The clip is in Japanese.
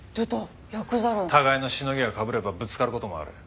互いのシノギがかぶればぶつかる事もある。